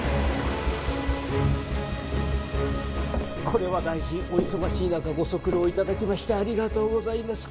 これは大臣お忙しい中ご足労頂きましてありがとうございます。